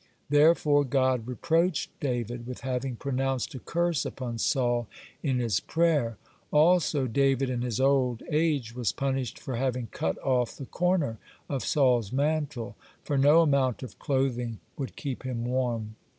Therefore God reproached David with having pronounced a curse upon Saul in his prayer. (80) Also, David in his old age was punished for having cut off the corner of Saul's mantle, for no amount of clothing would keep him warm.